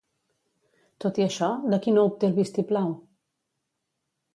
Tot i això, de qui no obté el vistiplau?